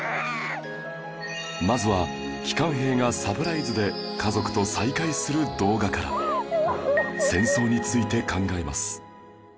まずは帰還兵がサプライズで家族と再会する動画から戦争について考えます